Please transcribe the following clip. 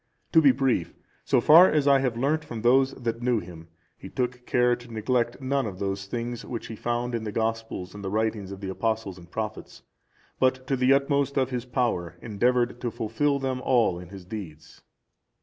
To be brief, so far as I have learnt from those that knew him, he took care to neglect none of those things which he found in the Gospels and the writings of Apostles and prophets, but to the utmost of his power endeavoured to fulfil them all in his deeds.